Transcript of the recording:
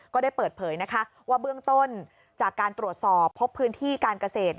ก็ได้เปิดเผยว่าเบื้องต้นจากการตรวจสอบพบพื้นที่การเกษตร